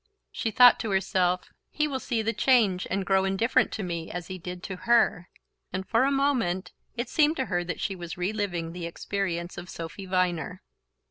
She thought to herself: "He will see the change, and grow indifferent to me as he did to HER..." and for a moment it seemed to her that she was reliving the experience of Sophy Viner.